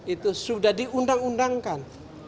itu sudah diundang undangkan